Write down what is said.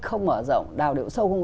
không mở rộng đào điệu sâu hung